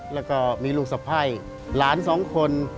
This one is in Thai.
แล้วก็มีลูกสะพ้ายหลานสองคน